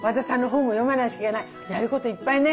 やることいっぱいね。